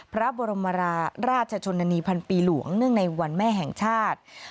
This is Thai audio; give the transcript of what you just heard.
พระบรมราชชนนานีพันปีหลวงเนื่องในวันแม่แห่งชาติ